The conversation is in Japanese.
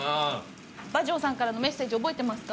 馬上さんからのメッセージ覚えてますか？